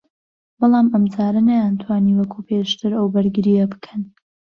بەڵام ئەمجارە نەیانتوانی وەکو پێشتر ئەو بەرگرییە بکەن